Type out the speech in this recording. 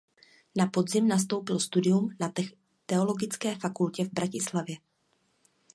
Na podzim nastoupil studium na teologické fakultě v Bratislavě.